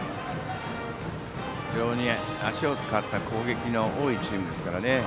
非常に足を使った攻撃の多いチームですからね。